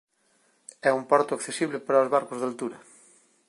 É un porto accesible para os barcos de altura.